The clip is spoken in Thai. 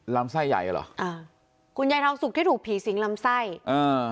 ลำไส้ใหญ่เหรออ่าคุณยายทองสุกที่ถูกผีสิงลำไส้อ่า